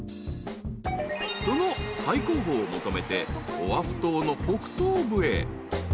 ［その最高峰を求めてオアフ島の北東部へ］